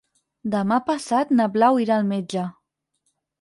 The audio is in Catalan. Demà passat na Blau irà al metge.